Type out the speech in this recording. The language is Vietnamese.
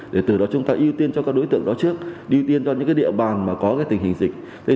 để từ đó chúng ta ưu tiên cho các đối tượng đó trước ưu tiên cho những cái địa bàn mà có cái tình hình dịch